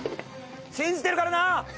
信じてるからな！